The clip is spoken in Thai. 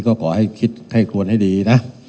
ก็ขอให้คิดคลวดให้ดีนะ